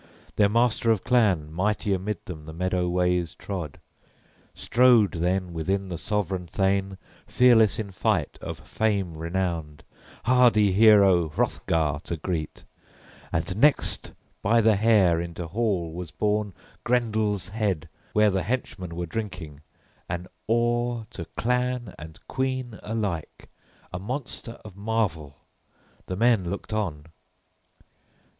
Their master of clan mighty amid them the meadow ways trod. Strode then within the sovran thane fearless in fight, of fame renowned, hardy hero, Hrothgar to greet. And next by the hair into hall was borne Grendel's head, where the henchmen were drinking, an awe to clan and queen alike, a monster of marvel: the men looked on.